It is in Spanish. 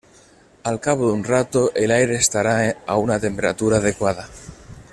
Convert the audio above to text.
Al cabo de un rato, el aire estará a una temperatura adecuada.